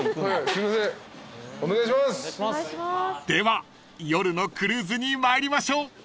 ［では夜のクルーズに参りましょう］